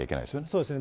そうですね。